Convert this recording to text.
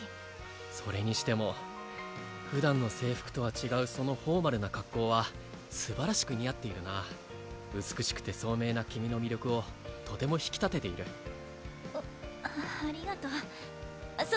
それにしても普段の制服とは違うそのフォーマルな格好はすばらしく似合っているな美しくて聡明な君の魅力をとても引き立てているあありがとうそ